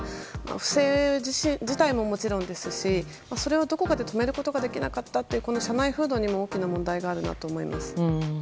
不正自体ももちろんですしそれをどこかで止めることができなかったという社内風土にも大きな問題があると思います。